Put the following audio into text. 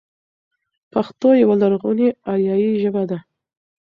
پښتو يوه لرغونې آريايي ژبه ده.